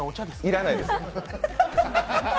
要らないですよ。